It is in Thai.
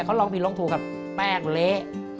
เขาลองผิดลงทูลกับแป้งเละ